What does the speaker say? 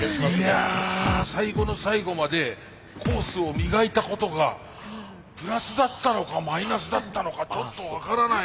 いや最後の最後までコースを磨いたことがプラスだったのかマイナスだったのかちょっと分からない。